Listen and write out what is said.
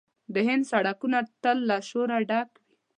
د هند سړکونه تل له شوره ډک وي.